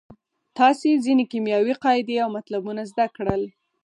تاسې ځینې کیمیاوي قاعدې او مطلبونه زده کړل.